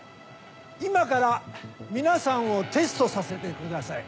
今から皆さんをテストさせてください。